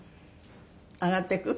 上がっていく？